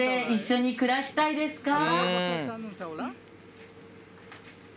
一緒に暮らしたいです。